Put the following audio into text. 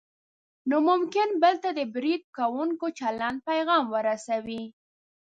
نو ممکن بل ته د برید کوونکي چلند پیغام ورسوي.